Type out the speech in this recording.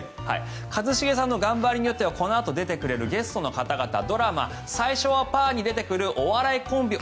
一茂さんの頑張りによってはこのあと出てくれるゲストの方々ドラマ「最初はパー」に出てくるお笑いコンビ